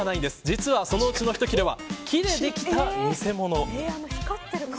実はそのうちの一切れは木でできた偽物。